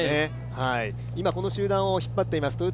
今、この集団を引っ張っています